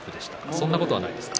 そんなことは、ないですか？